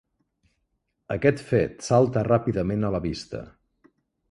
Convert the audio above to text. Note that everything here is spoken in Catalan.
Aquest fet salta ràpidament a la vista.